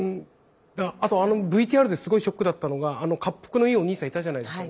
あとあのＶＴＲですごいショックだったのがかっぷくのいいお兄さんいたじゃないですか。